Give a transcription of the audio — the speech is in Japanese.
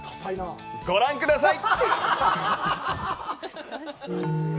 ご覧ください！